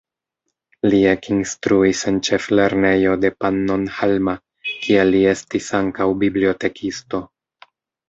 Li ekinstruis en ĉeflernejo de Pannonhalma, kie li estis ankaŭ bibliotekisto.